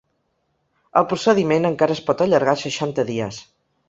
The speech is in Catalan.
El procediment encara es pot allargar seixanta dies.